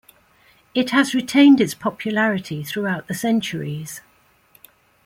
It has retained its popularity throughout the centuries.